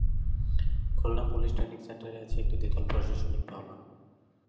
Khulna police training সেন্টারে আছে একটি দ্বিতল প্রশাসনিক ভবন।